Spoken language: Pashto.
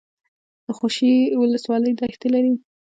د خوشي ولسوالۍ دښتې لري